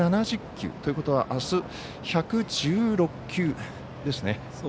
１７０球ということは、あす１１６球ですね。